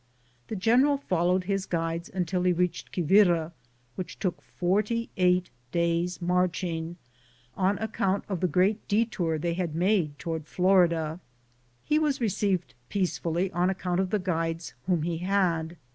The general followed his guides until he reached Quivira, which took forty eight days' marching, on acount of the great de tour they had made toward Florida. He was received peacefully on account of the guides whom he had.